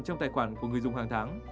trong tài khoản của người dùng hàng tháng